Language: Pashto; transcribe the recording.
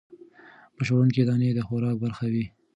بشپړوونکې دانې د خوراک برخه وي.